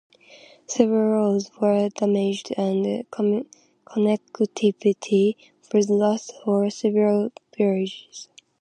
Several roads were damaged and connectivity was lost for several villages.